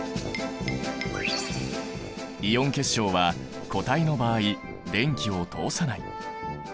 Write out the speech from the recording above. イオン結晶は固体の場合電気を通さない。